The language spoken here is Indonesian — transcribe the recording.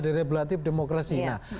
deregulatif demokrasi nah